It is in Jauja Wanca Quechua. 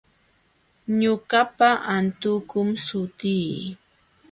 Ñuqapa antukum sutii.